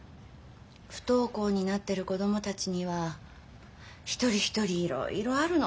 不登校になってる子供たちには一人一人いろいろあるの。